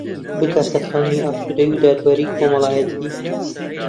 بگاتە خەونی ئاسوودەیی و دادوەریی کۆمەڵایەتی